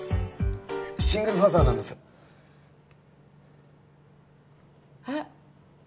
シングルファザーなんですえっ？